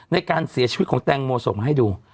ในการเสียชีวิตของแตงโมส่งมาให้ดู